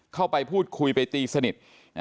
เข้าไปพูดคุยไปตีสนิท